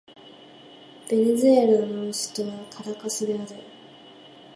ベネズエラの首都はカラカスである